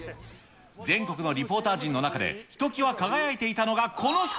全国のリポーター陣の中で、ひときわ輝いていたのがこの人。